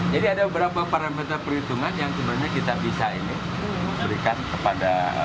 ada beberapa parameter perhitungan yang sebenarnya kita bisa ini berikan kepada